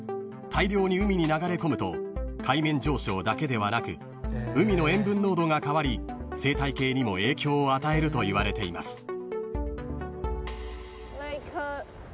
［大量に海に流れ込むと海面上昇だけではなく海の塩分濃度が変わり生態系にも影響を与えるといわれています］